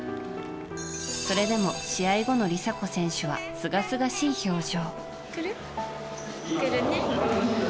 それでも試合後の梨紗子選手はすがすがしい表情。